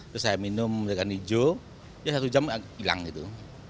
terus saya minum ikan hijau ya satu jam hilang gitu